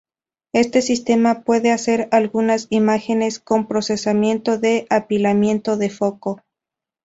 Este sistema puede hacer algunas imágenes con procesamiento de apilamiento de foco.